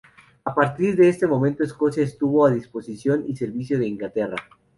A partir de este momento Escocia estuvo a disposición y servicio de Inglaterra.